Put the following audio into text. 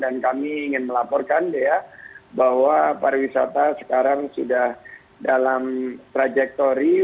dan kami ingin melaporkan bahwa pariwisata sekarang sudah dalam trajektori